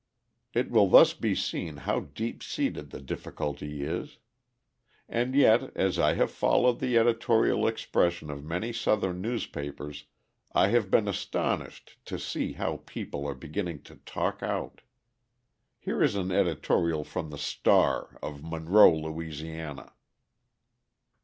It will thus be seen how deep seated the difficulty is. And yet, as I have followed the editorial expression of many Southern newspapers, I have been astonished to see how people are beginning to talk out. Here is an editorial from the Star of Monroe, La.